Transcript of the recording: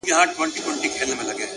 چي هغه ستا سيورى له مځكي ورك سو،